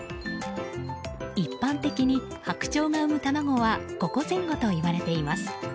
一般的にハクチョウが産む卵は５個前後といわれています。